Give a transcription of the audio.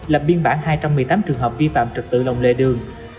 là biên bản hai trăm một mươi tám trường hợp vi phạm trực tự lồng lề đường